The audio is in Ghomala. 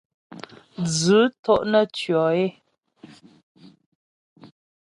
Dzʉ́ tó’ nə́ tʉɔ é.